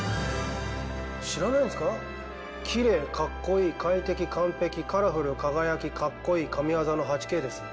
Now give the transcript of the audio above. きれいかっこいい快適完璧カラフル輝きかっこいい神業の８Ｋですよ。